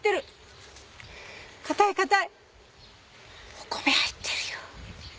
お米入ってるよ。